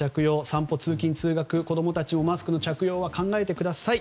散歩、通勤・通学では子供たちのマスクの着用は考えてください。